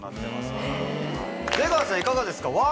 いかがですか？